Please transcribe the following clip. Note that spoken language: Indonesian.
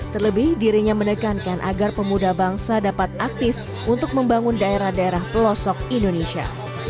terlebih dirinya menekankan agar pemuda bangsa dapat aktif untuk membangun daerah daerah pelosok indonesia